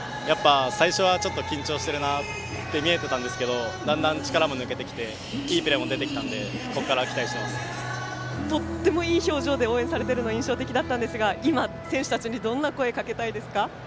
最初は緊張しているなと見えていたんですけどだんだん力も抜けてきていいプレーも出てきたのでとてもいい表情で応援されているのが印象的だったんですが今、選手たちにどんな声をかけたいですか。